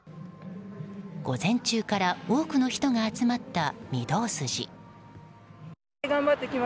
午前中から多くの人が集まった御堂筋。